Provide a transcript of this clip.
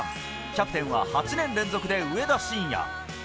キャプテンは８年連続で上田晋也。